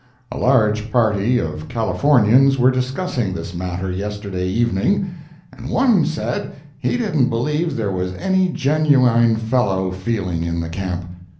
A large party of Californians were discussing this matter yesterday evening, and one said he didn't believe there was any genuine fellow feeling in the camp.